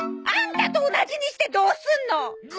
アンタと同じにしてどうすんの！